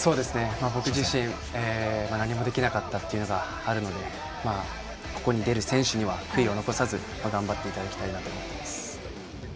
僕自身、何もできなかったというのがあるのでここに出る選手には悔いを残さず頑張ってほしいと思います。